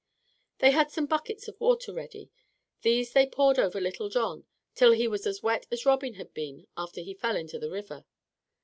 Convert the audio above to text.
They had some buckets of water ready. These they poured over poor Little John till he was as wet as Robin had been after he fell into the river.